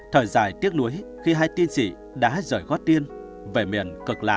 thời giải tiếc nuối khi hai tiên sỹ đã rời gót tiên về miệng cược lạc